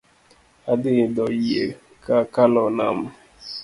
Adhi idho yie ka akalo nam